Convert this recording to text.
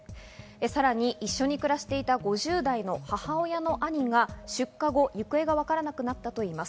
さらに一緒に暮らしていた５０代の母親の兄が出火後、行方がわからなくなったといいます。